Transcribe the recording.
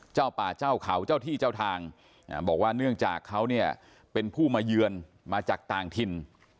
เจ้าป่าเจ้าเขาเจ้าที่เจ้าทางบอกว่าเนื่องจากเขาเนี่ยเป็นผู้มาเยือนมาจากต่างถิ่น